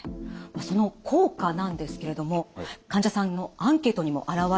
その効果なんですけれども患者さんのアンケートにも表れています。